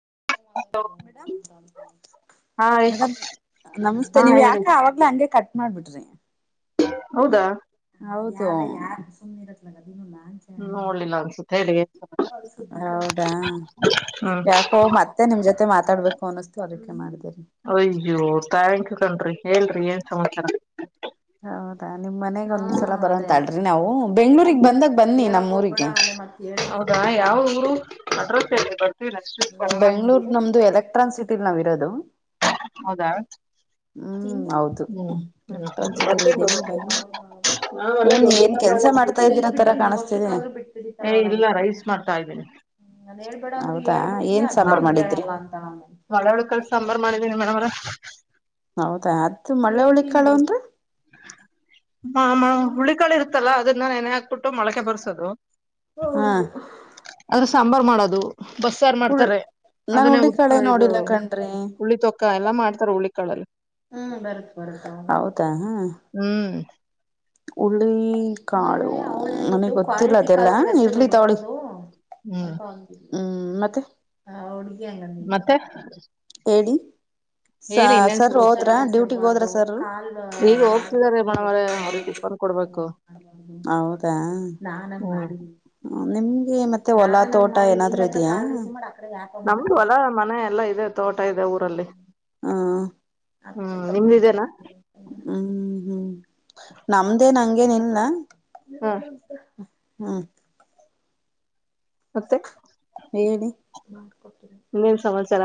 [unintelligible] Madam hi madam ನಮಸ್ತೆ ಹಾ ನೀವ್ ಹೇಳಿ ಯಾಕೆ ಅವಾಗ್ಲೇ ಹಂಗೆ ಕಟ್ ಮಾಡ್ಬಿಟ್ರಿ. ಹೌದಾ. ಹೌದು ಸುಮ್ಮನೆ ಇರತ್ತ. ನೋಡ್ಲಿಲ್ಲ ಅನ್ಸುತ್ತೆ ಹೇಳಿ ಹೌದಾ. ಹ್ಮ್ ಯಾಕೋ ಮತ್ತೆ ನಿಮ್ ಜೊತೆ ಮಾತಾಡ್ಬೇಕು ಅನ್ನಿಸ್ತು ಅದಕ್ಕೆ ಮಾಡ್ದೇರಿ. ಅಯ್ಯೋ ಥಾಂಕ್ ಯು ಕಣ್ರೀ ಹೇಳ್ರಿ ಏನ್ ಸಮಾಚಾರ. ಹೌದಾ ನಿಮ್ ಮನೆಗಗ್ ಒಂದ್ಸಲ ಬರೋಂತಾಳ್ರಿ ನಾವು ಬೆಂಗಳೂರಿಗೆ ಬಂದಾಗ ಬನ್ನಿ ನಮ್ಮ್ ಊರಿಗೆ ಮ [unintelligible] ಹೌದಾ ಯಾವ ಊರು ಅಡ್ರೆಸ್ ಹೇಳ. ಬೆಂಗ್ಳೂರ್ ನಮ್ದು ಎಲೆಕ್ಟ್ರಾನ್ಕ್ ಸಿಟಿಲ್ ನಾವ್ ಇರೋದು. ಹೌದಾ. ಹ್ಮ್ ಹೌದು ಹ್ಮ್ ಎಲೆಕ್ಟ್ರಾನಿಕ್ ಹ್ಮ್ ಸಿಟಿಯಲ್ಲಿ ಬರ್ತೀವಿ ಇದ್ದೀವಿ ಬನೀ. ನಾವೆಲ್ಲ ಏನ್ ದೊಡ್ಡ ಏನ್ ಕೆಲ್ಸ ಮಾಡ್ತಾ ತಗೊಳ್ಳಿದ್ದೀವಿ ಇದ್ದೀರ ತರ ಕಾಣಿಸ್ತಿದೆ ಏ ಇಲ್ಲ ರೈಸ್ ಮಾಡ್ತಾ ಇದ್ದೀನಿ ನನ್ ಹೇಳಧೆ. ಹಾ ಒಳ್ಳಳ ಕೆಲ್ಸ ಸಾಂಬಾರು ಮಾಡಿದೀನಿ ಮೇಡ್ರ ಹೌದಾ ಅದ ಮಳ್ಳೆ ಹಳಿ ಕಾಳ ಅಂದ್ರ ಆ ಹುಳಿಗಳು ಇರ್ತಲ್ಲ ಅದನ್ನ ನೆನೆ ಹಾಕ್ಬಿಟ್ಟು ಮೊಳಕೆ ಬರ್ಸೋದು ಹಾ ಆದದ್ರೆ ಸಾಂಬಾರ್ು ಮಾಡೋದು ಬಸ್ಸಾರು ಉಳ್ ಮಾಡ್ತಾರೆ ನಾನ್ ಅದನ್ನೇ ಹುಳ್ಳಿ ಉದ್ಕ ಕಾಳೆ ಇದು ನೋಡಿಲ್ಲ ಕಣ್ರಿ ಹುಳ್ಳಿ ತೊಕ್ಕ ಎಲ್ಲಾ ಮಾಡ್ತಾರೆ ಹುಳ್ಳಿ ಕಳಲ್ಲಿ ಹ್ಮ್ ಬರ್ ಬರು ಹೌದಾ ಹ್ಮ ಹ್ಮ್ ಉರುಳ್ಳಿ ಕಾಳು ನನಗ್ ಹ್ಮ್ ಗೊತ್ತಿಲ್ಲ ಅದೆಲ್ಲ ಇರ್ಲಿ ತಾವಳಿ ಹ್ಮ್ ಹ್ಮ್ ಮತ್ತೆ ಮತ್ತೆ ಕೆಡಿ ಸ ಹೇಳಿ ಇನ್ನೇನ್ ಸರ್ ಸಮಾಚಾರ ಹೋದ್ರ ಡ್ಯೂಟಿಗ್ ಹೋದ್ರ ಸರ್ ಈಗ ಹೋಗ್ತಿದ್ದಾರೆ ಮೇಡಮರೇ ಅವ್ರಿಗೆ ಟಿಫನ್ ಕೊಡ್ಬೇಕು ಹೌದಾ ಹ್ಮ್ ನಿ ನಿಮ ಗೆ ಮತ್ತೆ ಹೊಲಾ ತೋಟ ಏನಾದ್ೂ ಇದೆಯಾ ನಮ್ದು ಹೊಲ ಮನೆ ಎಲ್ಲಾ ಇ ತೋಟ ಇದೆ ಊರಲ್ಲಿ ಹ್ಮ ಹ್ಮ್ ನಿಮ್ದಿದೆೇನಾ ಹ್ಮ್ ಹ್ಮ್ ನಮ್ದೇನ್ ಹಂಗೇನ ಇಲ್ನಾ ಹ ಹ್ಮ್ ಮತ್ತೆ ಹೇಳಿ ಮಾಡಕಟ್ಟಿ ಸಲ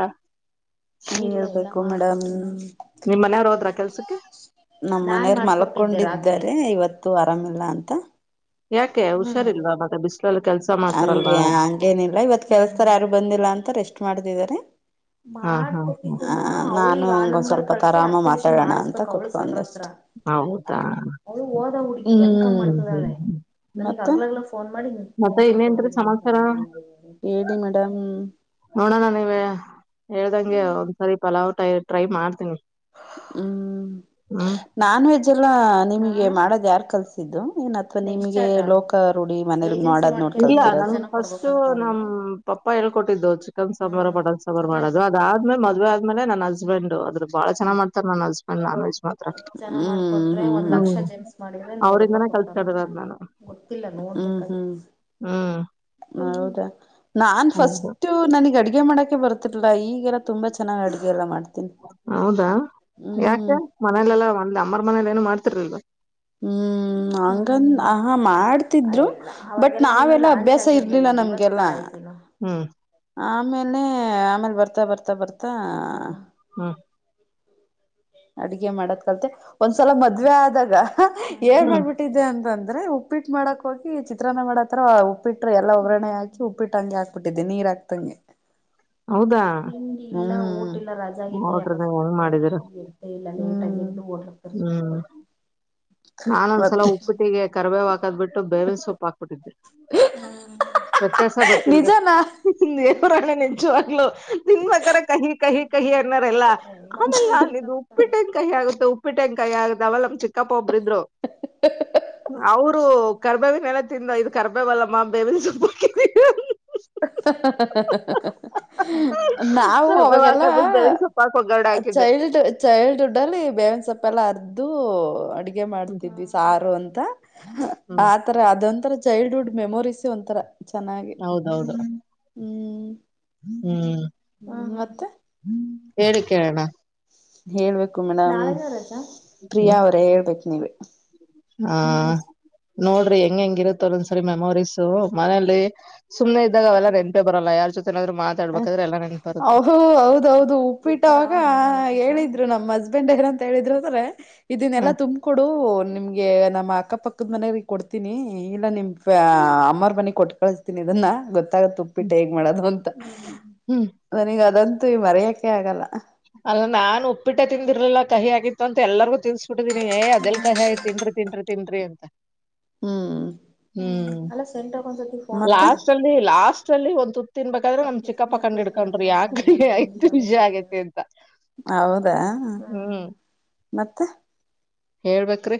ಹೇಳ್ಬೇಕು ಮೇಡಮ್ ನಿಮ್ಮ್ ಮನೆಯವ್ರು ಹೋದ್ರ ಕೆಲ್ಸಕ್ಕೆ ನಮ್ಮ್ ಮನೆಯರು ಮಲಕೊಂಡಿದ್ದಾರೆ ಇವತ್ತು ಆರಾಮಿಲ್ಲ ಅಂತ ಯಾಕೆ ಹುಷಾರ್ಲ್ವಾ ಮತ್ತ ಬಿಸ್ಲಲು ಕೆಲ್ಸ ಮಾಡ್ತಾರಲ್ವಾ ಹಂಗಗೆ ಹಂಗೇನಿಲ್ಲ ಇವತ್ ಕೆಲ್ಸ್ತಾರ್ ಯಾರು ಬಂದಿಲ್ಲ ಅಂತ ರೆಸ್ಟ್ ಮಾಡ್ತಿದಿದ್ದಾರೆ ಹಾ ಹಾ ಹಾ ಹ ನಾನು ಹ ಸ್ವಲ್ಪ ಆರಾಮ ಮಾತಾಡೋಣ ಅ ಕೊಡ್ ಹೌದಾ ಅವಳು ಹೋದ ಹುಡುಗಿ ಎ ಹ್ಮ್ ಹ್ಮ್ ಮಾಡ್ತದಾಳೆ ಹ್ಮ್ ನನ್ಗ್ ಅಗ್ಲಗ್ಲ ಫೋನ್ ಮಾಡಿ ಮತ್ತೆ ಕೊಬೇ ಇನ್ನೇನ್ರಿ ಹೇಳಿ ಸಮಾಚಾರ ಮೇಡಮ್ ನೋಡೋಣ ನೀವೇ ಹೇಳ್ದಂಗೆ ಒಂದ್ಸರಿ ಪಲಾವ್ ಟೈ ಟ್ರೈ ಮಾಡ್ತೀನಿ ಹ್ಮ್ ಹ್ಮ್ ನಾನು ಹೆ ಲ್ಲ ನಿಮಗೆ ಮಾಡೋದ್ ಯಾರ್ು ಕಲ್ಸಿದ್ದು ಏನ್ ಅಥವಾ ನಿಮಗೆ ಲೋಕ ರೂಡಿಿ ಮನೆ ಮಾಡದ್ ಇಲ್ಲ ನನ್ಗ್ ನೋಡ್ಕಲ್ತರಂತ್ರ ಫಸ್ಟು ನಮ್ ಪಪ್ಪ ಹೇಳ್ಕೊಟ್ಟಿದ್ದು ಚಿಕನ್ ಸಾಂಬಾರು ಬಟನ್ ಸಾಂಬಾರು ಮಾಡೋದು ಅದಾದ್ಮೇಲೆ ಮದ್ವೆ ಆದ್ಮೇಲೆ ನನ್ ಹಸ್ಬಂಡ್ ಅದ್ ಬಾಳ ಚೆನ್ನ ಮಾಡ್ತಾರೆ ನನ್ ಹಸ್ಬೆಂಡ್ ನ ಮಾತ್ರ ಜನೆ ಒಂದ್ ಲಕ್ಷ ಜೆಮ್ಸ್ ಮಾಡಿದ್ರೆ ನೂರ್ ರೂಪಾಯಿ ಅವ್ರಿಂದನೇ ಕೊಡ್ತಾರಲ್ಲ ಕಲ್ತ್ಕೊಂಡಿರೋದ್ ನನ್ಗೆ ನಾನು. ಗೊತ್ತಿಲ್ಲ ನೋಡ್ ಹ್ಮ್ ಹೌದಾ ನಾನ್ ಹೌದು. ಫಸ್ಟ್ ನನಗ್ ಅಡಿ ಅಗೆ ಮಾಡಕ್ಕೆೆ ಬರ್ತಿಲ್ಲಾ ಈಗ ಅಗೆಲ್ಲ ತುಂಬಾ ಚೆನ್ನಾಗ್ ಅಡುಗೆ ಎಲ್ಲ ಮಾಡ್ತೀನಿ ಹ್ಮ್ ಮನೇಲೆೆಲ್ಲಾ ಒಂದ ಅಮ್ಮರ್ ಮನೇಲಿ ಏನು ಮಾಡ್ತಿರ್ಲ್ವ ಹ್ಮ್ ಹಂಗನ್ ಆಹಾ ಮಾಡ್ತಿದ್ರು ಬಟ್ ನಾವೆಲ್ಲ ಅಭ್ಯಾಸ ಇರ್ಲಿಲ್ಲ ನಮ್ಗೆಲ್ಲ ಹ್ಮ್ ಆಮೇಲೆ ಆಮೇಲೆ ಬರ್ತಾ ಬರ್ತಾ ಬರ್ತಾ ಹ್ಮ ಅಡ್ಗೆ ಮಾಡದ್ ಕಲ್ತೆ ಒಂದ್ಸಲ ಮದ್ವೆ ಆದಾಗ ಏನ್ ಹ್ಮ್ ಮಾಡ್ಬಿಟ್ಟಿದ್ದೆ ಅಂತಂದ ಉಪ್ಪಿಟ್ಟ ಮಾಡಕ್ ಹೋಗಿ ಚಿತ್ರ ಮಾಡತ್ರ ಉಪ್ಪಿಟ್ಟ್ರ ಎಲ್ಲ ಒಬ್್ರರಣೆ ಹಾಕಿ ಉಪ್ಪಿಟ್ಟ ಹಂಗೆ ಹಾಕ್ಬಿಟ್ಟಿದ್ದೆ ನೀರ ಆತಂ ಹೌದಾ? ತಿಂಡ ಊಟಲ್ಲ ರಜಾಗಿದ್ದೆ ಯಾಕ ನೋಡ್ರಿ ನೀವ್ ಸ ಹೆಂಗ್ ಮಾಡಿದೀರ. ಎಂತ ಇಲ್ಲ ೋಲಕ ಹ್ಮ್ ನಾನೊಂದ್ಸಲ ಉಪ್ಪಟ್ಟಿಗೆ ಕರ್ಬೇ ಹಾಕದ್ ಬಿಟ್ಟು ಬೇವಿನ ಸೊಪ್ಪ ಹಾಕ್ಬಿಟ್ಟಿದ್ದೆ. ವ್ಯತ್ಯಾಸ ಗೊತ್ತಿಲ್ದ ನಿಜಾನಾ ಹ ದೇವರಾಣೆ ನಿಜವಾಗ್ಲೂ. ನಿನ್ವಕರ ಕಹಿ ಕಹಿ ಕಹಿ ಅನ್ನರೆಲ್ಲ ಆಮೇಲ್ಲ ಆಿದದು ಉಪ್ಪಿಟ್ಟಂಗ ಕಹಿ ಆಗುತ್ತೆ ಉ. ಉಪ್ಪಿಟ್ಟು ಯಾಕೆ ಕಹಿ ಯಗದ ಅವಲ್ಲ ಚಿಕ್ಕಿ. ಚಿಕ್ಕಪ್ಪ ಒಬ್ರ ಇದ್ರು ಅವರು ಕರ್ಬವ ಎಲೆ ತಿಂದ ಇದ. ಗರ್ಬೆವಲ ಮಾ ಬೇವ. ಹ ನಾವು ಕರ್ಬೇವ್ ಅವಾಗೆಲ್ಲ. ಹಾಕದ್ಬಿಟ್ಟು ಬೇವಿನ ಸೊಪ್ಪು ಹಾಕ್ ಒಗ್ಗರಣೆ ಹಾಕಿದ್ದೆ ಚೈಲ್ಡ್ಡ್ ಚೈಲ್ಡ್ಹುಡ್ ಅಲ್ಲಿ ಬೇವಿನ ಸೊಪ್ಪೆ ಎಲ್ಲ ಅರ್ದು ಅಡಿಗೆ. ಹ್ಮ್ ಮಾಡ್ತಿದ್ವಿ ಸಾರು ಅಂತ ಹ್ಮ್ ಆತರ ಅದೊಂತರ ಚೈಲ್ಡ್ಹುಡ್ ಮೆಮೊರೀಸ್ ಒಂಥರ. ಚೆನ್ನಾಗಿ. ಹೌದೌದು ಹ್ಮ್ ಹ್ಮ್ ಹ ಮತ್ತೆ. ಹೇಳಿ ಕೇಳೋಣ. ಹೇಳ್ಬೇಕು ಮೇಡಮ್ ಪ್ರಿಯಾ ಅವರೇ ಹೇಳ್ಬೇಕಕ್ ನೀವ್. ಹಾ ನೋಡ್ರಿ ಹೆಂಗ್ ಹೆಂಗಿರುತ್ತಲ್ಲೊಂದ್ಸರಿ ಮೆಮೊರೀಸು ಮನೇಲಿ. ಸುಮ್ಮನೆ ಇದ್ದಾಗ ಅವೆಲ್ಲ ನೆನ್ಪೆ ಬರಲ್ಲ ಯಾರ್ ಜೊತೆ ಏನಾದ್ರು ಹ ಮಾತಾಡ್ಬೇಕಾದ್ರೆ ಎಲ್ಲಾ ನೆನ್ಪ ಬರುತ್ತೆ. ಆ ಅವಾಗ ಹೇಳಿದ್ದ. ನಮ್ ಹಸ್ಬೆಂಡ್ ಏನ್ ಅಂತ ಹೇಳಿದ್ರರು ಅಂದ್ರೆ ಹ ಇದನ್ನೆಲ್ಲ ತುಂಬ್ಕ ಕೊಡು ನಿಮ್ಗೆ ನಮ್. ಅಕ್ಕ ಪಕ್ಕದ ಮನ ಕೊಡ್ತೀನಿ ಇಲ್ಲ ನಿಮ್ ಅಮ್ಮರ್ ಮನಿ ಕೊಟ್ಟ ಕಳಿಸತಿನಿ ಇದನ್ನ ಗೊತ್ತ. ತ್ತಾಗ ಉಪ್ಪಿಟ್ಟ ಹ್ಮ್ ಹೇಗ್ ಮಾಡೋದು ಅಂತ ಹ್ಮ್ ನನಗ ಅದಂತೂ ಈ ಮರೆಯಕೆ ಆಗಲ್ಲ. ಅಲ್ಲ ನಾನ್ ಉಪ್ಪಿಟ್ಟ ತಿಂದಿರ್ಲಿಲ್ಲ ಕಹಿ ಆಗಿತ್ತು ಅಂತ ಎಲ್ಲಾರಿಗೂ. ತಿನ್ಸ್ಬಿಟ್ಟಿದ್ದೀನಿ ಏ ಅದೆಲ್ ಕಾಯಿ ತಿನ್ರಿ ತಿನ್ರಿ ತಿನ್ರಿ ಅಂತ. ಹ್ಮ್ ಹ್ಮ್ ಲಾಸ್ ಅಲ್ಲಿ ಲಾಸ್ಟ್. ಲಾಸ್ಟಲಿ ಒಂದ ತು ತಿನ್ಬೇಕಾದ್ರೆ ನಮ್ ಚಿಕ್ಕಪ್ಪಾಕಂಡ್ ಹಡ್ಕೊಂಡ್ ಯಾಕೆ ಕಹಿ ವಿಜಿ ಆಗೈತಿ. ಹೌದಾ ಹ್ಮ್ ಮತ್ತೆ. ಹೇಳ್ಬೇಕ್ರಿ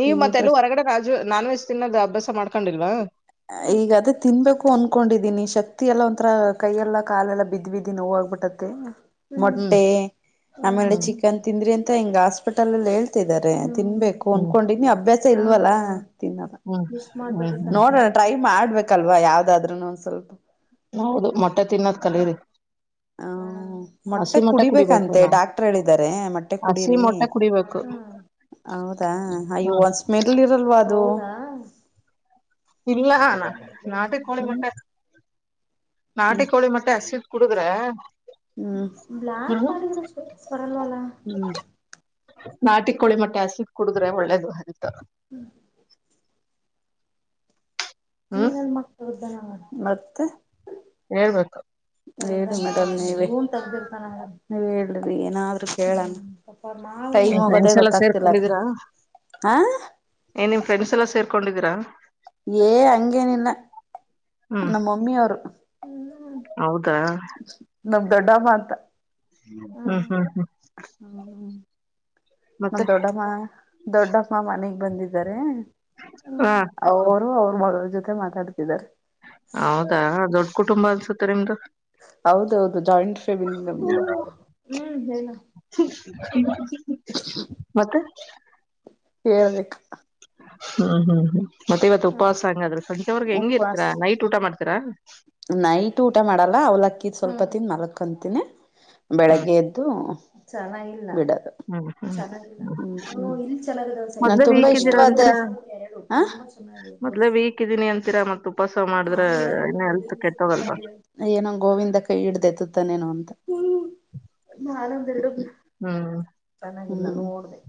ನೀವ ಈ ಮತ್ತೆಲ್ಲ ಡ್ರೆಸ್ ಹೊರಗಡೆ ರಾಜು. ನಾನ್ ವೆಜ್ ತಿನ್ನೋದು ಅಭ್ಯಾಸ ಮಾಡ್ಕೊಂಡಿಲ್ವಾ. ಈಗಾದದೇ ತಿನ್ಬೇಕು ಅನ್ಕೊಂಡಿದೀನಿ ಶಕ್ತಿ. ಎಲ್ಲೋ ಒಂಥರಾ ಕೈ ಎಲ್ಲಾ ಕಾಲೆಲ್ಲ ಬಿದ್ ಬಿದ್ದಿ ನೋ ಆಗ್ಬಿಟ್ಟತ್ತೆ. ಹ್ಮ್ ಮೊಟ್ಟೆ ಆಮೇಲೆ ಹ್ಮ್ ಚಿಕನ್ ತಿಂದ್ರಿ ಅಂತ ಹಿಂಗ ಹಾಸ್ಪಿಟಲ್ ಅಲ್ಲಿ ಹೇಳ್ತಿದ್ದಾರೆ. ತಿನ್ಬೇಕು ಹ್ಮ್ ಅಂದನ್ಕೊಂಡ ನೀ ಅಭ್ಯಾಸ ಇಲ್ವಲ್ಲ ತಿಲ್ಲ ಹ್ಮ್ ಹ್ಮ್ ಹ್ಮ್ ನೋಡೋಣ. ಟ್ರೈ ಮಾಡ್ಬೇಕಲ್ವಾ ಯಾವ್ದಾದ್ರುನು ಒಂದ ಸ್ವಲ್ಪ. ಹೌದು ಮೊಟ್ಟೆ ತಿನ್ನೋದ್ ಕಲೀರಿ. ಹ. ಮೊಟ್ಟೆ ಹಸಿ ಕುಡಿಬೇಕು ಕುಡಿಬೇಕಂತೆ ನಾವು ಡಾಕ್ಟರ್ ಹೇಳಿದ್ದಾರೆ ಮೊಟ್ಟೆ ಹಸಿ ಕುಡೀರಿ. ಮೊಟ್ಟೆ ಕುಡಿಬೇಕು ಹೌದಾ ಅಯ್ಯೋ ಹ್ಮ್ ಒಂದ್ ಸ್ಮೆಲ್ ಇರಲ್ವಾ ಅದು. ಇಲ್ಲ ನಾ ನಾಟಿ ಕೋಳಿ ಹ್ಮ್ ಮಟ್ಟೆ ನಾಟಿ ಹ್ಮ್ ಕೋಳಿ ಮಟ್ಟೆ ಅಷ್ಟಿ. ಕುಡುದ್ರೆ. ಹ್ಮ್ ಬ್ಲಾಕ್ ಹ್ಮ್ ಮಾಡಡ [unintelligible] ಹ್ಮ್. ನಾಟಿ ಕೋಳಿ ಮಟ್ಟೆ ಅಸಿಡ್ ಕುಡುದ್ರೆ ಒಳ್ಳೇದು ಆತ. ಹ್ಮ್. ಹ್ಮ್ ನೀನಲ್ ಮಕ್ಳದ್ದ ಮತ್ತೆ. ಹೇಳ್ ಬೇಕು. ಹೇಳಿ ಮೇಡ್ ನೀವ ನೀವ ಹೇಳಿ ಏನಾದ್ರು ಕೇಳಣ. ಟೈಮ್ ಏನ್ ಮುಗೋದೆ ಫ್ರೆಂಡ್ಸ್ ಎಲ್ಲ ಗೊತ್ತಾಗ್ತಿಲ್ಲ ಸೇರ್ಕೊಂಡಿದೀರಾ ಹಾ. ಏನ್ ನಿಮ್ ಫ್ರೆಂಡ್ಸ್ ಎಲ್ಲ ಸೇರ್ಕೊಂಡಿದ್ದೀರಾ. ಏ ಹಂಗೆನು ಇಲ್ಲ ಹ್ಮ್ ನಮ್ಮ ಮಮ್ಮಿಯ ಅವರು. ಹೌದಾ ನಮ ದೊಡ್ಡ ಅಮ್ಮ ಅಂತ. ಹ್ಮ್ ಹ್ಮ್ ಹ್ಮ್. ನಮ ಮತ್ತೆ ದೊಡ್ಡಮ್ಮ ದೊಡ್ಡಮ್ಮ ಮನೆಗ್ ಬಂದಿದ್ದಾರೆ. ಹಾ ಅವರು ಅವ್ರ ಮಗ್ರ ಜೊತೆ ಮಾತಾಡ್ತಿದ್ದಾರೆ ಹೌದಾ ದೊಡ್ಡ ಕುಟುಂಬ ಅನ್ಸುತ್ತೆ ನಿಮ್ದು ಹೌದೌದು ಜಾಯಿಂಟ್ ಫ್ಯಾಮಿಲಿ ಮತ್ತೆ ಹೇಳ್ಬೇಕ ಉಪವಾಸ [unintelligible] ಮಕಂತಿನಿ ಹ್ಮ್ ಬೆಳಿಗ್ಗೆ ಎದ್ದು ಚ ಹ್ಮ್ ಹ್ಮ್ ಹ್ಮ್ ನಾನ್ ಮೊದ್ಲೇ ತುಂಬಾ ವೀಕ್ ಇದೀರಾ ಇಷ್ಟವಾದೇ ಅಂತೀರಾ ಹ ಮೊದ್ಲೇ ವೀಕ್ ಇದೀನಿ ಅಂತೀರಾ ಮತ್ ಉಪವಾಸ ಮಾಡಿದ್ರೆ ಇನ್ನ ಹೆಲ್ತ್ ಕೆಟ್ಟೋಗಲ್ವಾ ಏನಂಗ ಗೋವಿಂದ ಕೈ ಹಿಡ್ದತತ್ತಾನೇನು ಅಂತ ಹ್ಮ್ ನಾನಂದ ಹ್ಮ್ ಚೆನ್ನಾಗಿ ನೋಡದೆ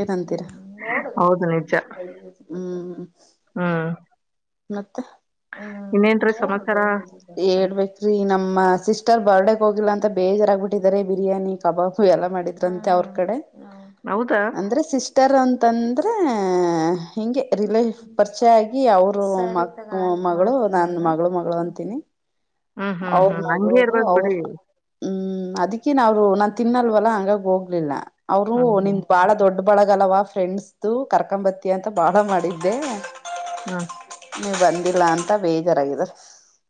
ಏನ ಅಂತೀರಾ ನೋ ಹೌದು ನಿಜ ಹ್ಮ್ ಹ್ಮ್ ಮತ್ತೆ ಇನ್ನೇನ್ರೀ ಸಮಾಚಾರ ಹೇಳ್ಬೇಕ್ರಿ ನಮ್ಮ ಇಷ್ಟರ್ ಬರ್ಡೇಗೆ ಹೋಗಿಲ್ಲಾ ಅಂತ ಬೇಜಾರಾಗ್ಬಿಟ್ಟಿದ್ದಾರೆ ಬಿರಿಯಾನಿ ಕಬಾಬು ಎಲ್ಲಾ ಮಾಡಿದ್ರಂತೆ ಅವ್ರ ಕಡೆ ಹ ಹೌದಾ ಅಂದ್ರೆ ಸಿಸ್ಟರ್ ಒಂತ ಅಂತಂದ್ರೆ ಹಿಗೆ ರಿಲೇ ಪರಿಚಯ ಆಗ ಅವರು ಮ ಮಗಳು ನಾನ್ ಮಗಳು ಮಗಳು ಅಂತನಿ ಹ್ಮ್ ಹ್ಮ್ ಅವ್ರ ಹ್ಮ್ ಹಂಗೆ ಮಾಡಲ್ಕಡೋದು ಇರ್ಬೇಕ್ ಅವ್ರ ಬಿಡಿ ಹ್ಮ್ ಅದಕ್ಕಿನ್ ಅವ್ರು ನಾನ್ ತಿನ್ನಲ್ವಲ್ಲ ಹಂಗಾಗ ಹೋಗ್ಲಿಲ್ಲ ಅವರು ಹ್ಮ್ ನಿನ್ ಹ್ಮ್ ಬಾಳ ದೊಡ್ಡ ಬಳಗಲ್ವಾ ಫ್ರೆಂಡ್ಸ್ ಕರ್ಕಂಬತ್ತಿ ಅಂತ ಬಾಳ ಮಾಡಿದ್ದೆ ಹ್ಮ್ ನೀವು ಬಂದಿಲ್ಲ ಅಂತ ಬೇಜಾರ್ರ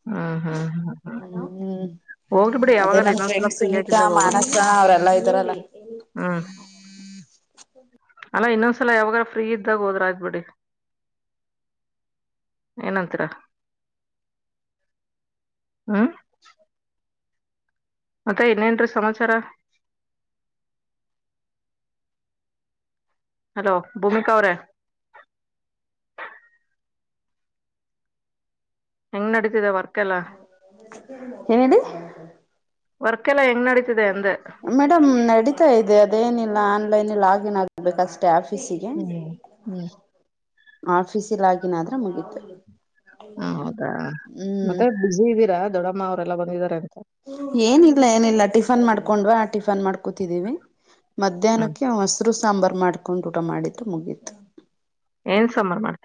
ಹ್ಮ ಹ್ಮ್ ಹ್ಮ ಹ ಹ್ಮ್ ಅದೇ ಯಾವಾಗಾರ ನಮ ಇನ್ನೊಂದ್ಸಲ ಫ್ರೆಂಡ್ ಫ್ರೀ ಸುನೀತಾ ಆಗಿದ್ದಾಗ ಮಾನಸ ಹೋಗಂತ್ರಿ ಅವ್ರೆಲ್ಲಾ ಇದ್ದಾರಲ್ಲ ಹ್ಮ್ ಅಲ್ಲ ಇನ್ನೊಂದ್ಸಲ ಯಾವಾಗಾರ ಫ್ರೀ ಇದ್ದಾಗ ಹೋದ್ರ ಆಯ್ಬೇಡಿ ಏನಂತರ ಹ ಮತ್ತೆ ಇನ್ನೇನ್ರೀ ಸಮಾಚಾರ ಹಲೋ ಭೂಮಿಕಾ ಅವ್ರ ಹೆಂಗ್ ನಡೀತಿದೆ ವರ್ಕ್ ಎಲ್ಲಾ ನೇಲ್ಲಿ ವರ್ಕ್ ಎಲ್ಲಾ ಹೆಂಗ್ ನಡೀತಿದೆ ಅಂದ ಮೇಡಮ್ ನಡಿತಾ ಇದೆ ಅದೇನಿಲ್ಲ ಆನ್ಲೈನ್ ಆಗನ್ ಆಗ್ಬೇಕಷ್ಟ ಮತ್ತೆ ಆಫೀಸಿಗೆ ಹ್ಮ್ ಹ್ಮ್ ಆಫೀಸಲ್ ಆಗನಾದ್ರೆ ಮುಗಿತ ಹ ಹೌದಾ ಮತ್ತೆ ಬಿಸಿ ಇದ್ದೀರಾ ದೊಡಮ್ಮ ಅವರೆೆಲ್ಲಾ ಬಂದಿದಿದ್ದಾರೆಂತ ಏನಿಲ್ಲ ಏನಿಲ್ಲ ಟಿಫನ್ ಮಾಡ್ಕೊಂಡ್ ಟಿಫನ್ ಮಾಡ್ಕೂತಿದ್ದೀವಿ ಹ್ಮ್ ಮಧ್ಯಾಹ್ನಕ್ಕೆ ಮಸರು ಸಾಂಬಾರ್ ಮಾಡ್ಕೊಂಡು ಊಟ ಮಾಡಿದು ಮುಗೀತು ಏನ್ ಸಾಂಬಾರು ಮಾಡ್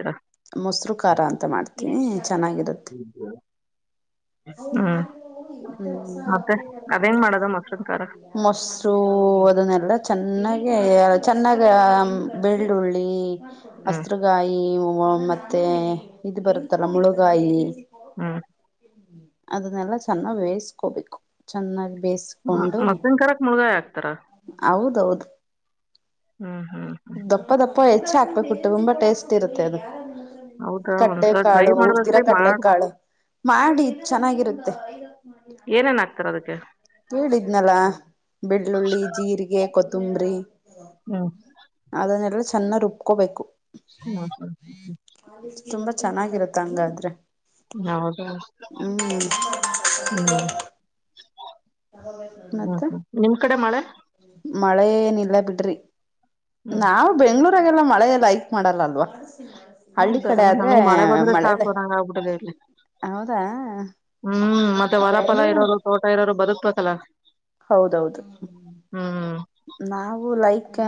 ಮೊಸರು ಖಾರ ಅಂತ ಮಾಡ್ತೀವಿ ಚೆನ್ನಾಗಿರುತ್ತೆ ಹ್ಮ್ ಮತ್ತೆ [unintelligible] ಅದೇಂಗ್ ಮಾಡದ ಮೊಸರಿನ್ ಖಾರ ಮೊಸರು ಅದನ್ನೆಲ್ಲಾ ಚೆನ್ನಾಗಿ ಚೆನ್ನಾಗ ಬೆಳ್ಳುಳ್ಳಿ ಹ್ಮ್ ಹಸರುಗಾಯಿ ಮತ್ತೆ ಇದು ಬರುತ್ತಲ್ಲ ಮುಳಗಾಯಿ ಹ್ಮ್ ಅದನ್ನೆಲ್ಲಾ ಚೆನ್ನಾಗ್ ವೇಯಿಸಕೋಬೇಕು ಚೆನ್ನಾಗಿ ಹ ಬೇಯಿಸಕೊಂಡು ಮತ್ತನ್ ಕರಕ್ ಮುಳಗಾಯಿ ಹಾಕ್ತಾರ ಹೌದೌದು ಹ್ಮ್ ಹ್ಮ್ ಹ್ಮ್ ಹ್ಮ ಚ್ ಹಾಕ್ಬೇಕುಟ್ಟು ತುಂಬ ಟೇಸ್ಟ್ ಇರುತ್ತೆ ಅದು ಹೌದಾ ಒಂದ್ಸಲ ಟ್ರೈ ಕಡ್ಲೆಕಾಳು ಹುರಿದಿರೋ ಮಾಡ್ಬೇಕ್ರಿ ಮಾಡ್ ಕಡ್ಲೆಕಾಳು ಮಾಡಿ ಚೆನ್ನಾಗಿರುತ್ತೆ [unintelligible] ಏನೇನ್ ಆಗ್ತೀರಾ ಅದಕ್ಕೆ ಕಿದ್ನಲ್ಲ ಬೆಳ್ಳಳ್ಳುಳ್ಳಿ ಜೀರಿಗೆ ಕೊತ್ತಂಬರಿಿ ಹ್ಮ್ ಅದನ್ನೆಲ್ಲ ಚೆನ್ನ ರುಬ್ಕೋಬೇಕು ಹ್ಮ ಹ ತುಂಬಾ ಚೆನ್ನಾಗಿರುತ್ತ ಹಂಗಾದ್ರೆ ಹ್ಮ್ ಹೌದಾ ಹ್ಮ್ ಹ್ಮ್ ಹ್ಮ್ ಮತ್ತೆ ಹ್ಮ್ ನಿಮ್ ಕಡೆ ಮಳೆ ಮಳೆನ ಇಲ್ಲ ಬಿಡ್ರಿ ಹ್ಮ್ ನಾವವು ಬೆಂಗಳೂರು ಎಲ್ಲಾ ಮಳೆ ಲೈಕ್ ಮಾಡಲ್ಲ ಅಲ್ವಾ ಹಳ್ಳಿ ಹೌದಾ ಕಡೆ ಆದ್ರೆ ನಮಗೆ ಮಳೆ ಬಂದ್ರೆ ಮಳೆಲ್ಲ ಸಾಕು ನಂಗ ಆಗ್ಬಿಟ್ಟಿದೆ ಇಲ್ಲಿ ಹೌದಾ ಹ್ಮ್ ಮತ್ತೆ ಹೊರಫಲ ಬೆಂಗಳೂರು ಇರೋದು ತೋಟ ಇರೋದು ಬದುಕ್ಬೇಕಲ್ಲ ಹೌದೌದು ಹ್ಮ್ ನಾವು ಲೈಕ್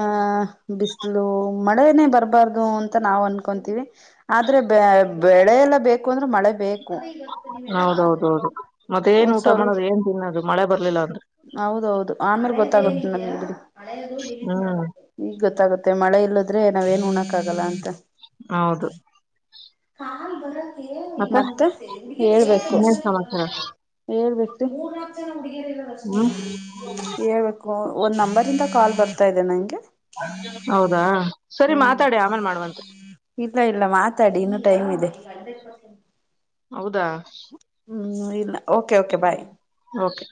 ಬಿಸಲು ಮಳೆನೇ ಬರ್ಬಾರ್ದು ಅಂತ ನಾವವು ಅನ್ಕೊಂತೀವಿ ಆದ್ರೆ ಬೆ ಬೆಳೆ ಎಲ್ಲ ಬೇಕು ಮಳೆ ಬೇಕು ಹೌದೌದೌದು ಮತ್ತೇನ್ ಒಂದು ಊಟ ಸ್ವಲ್ಪ ಮಾಡೋದು ಏನ್ ತಿನ್ನೋದು ಮಳೆ ಬರ್ಲಿಲ್ಲ ಅಂದ್ರೆ ಹೌದೌದು ಆಮೇಲೆ ಹ್ಮ್ ಗೊತ್ತಾಗುತ್ತೆ ನಮ್ದು ಹ್ಮ್ ಈಗ್ ಗೊತ್ತಾಗುತ್ತೆ ಮಳೆ ಇಲ್ಲದ್ರೆ ನಾವೇನ್ ಉಣಕ್ ಆಗಲ್ಲ ಅ ಹೌದು ಮತ್ತೆ ಹೇಳ್ಬೇಕು ಇನ್ನೇನ್ ಸಮಾಚಾರ ಹೇಳ್ಬೇಕು ಹ್ಮ್ ಹೇಳ್ಬೇಕು ಒಂದು ನಂಬರಿಂದ ಕಾಲ್ ಬರ್ತಾ ಇದೆ ನನಗೆ ಹೌದಾ ಸರಿ ಹ್ಮ್ ಮಾತಾಡಿ ಆಮೇಲ್ ಮಾಡುವಂತೆ ಇಲ್ಲ ಇಲ್ಲ ಮಾತಾಡಿ ಇನ್ನು ಟೈಮ್ ಇದೆ ಹೌದಾ ಹ್ಮ್ ಇಲ್ಲ ಓಕೆ ಓಕೆ ಬಾಯ್ ಓಕೆ